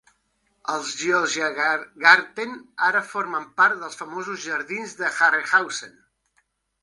El Georgengarten ara forma part dels famosos jardins de Herrenhausen.